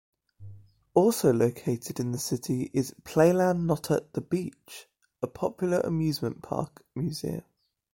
Also located in the city is Playland-Not-At-The-Beach, a popular amusement park museum.